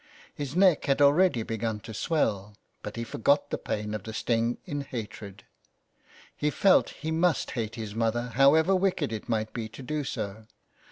His neck had already begun to swell, but he forgot the pain of the sting in hatred. He felt he must hate his mother, however wicked it might be to do so.